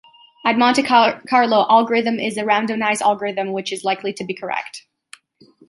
A Monte Carlo algorithm is a randomized algorithm which is likely to be correct.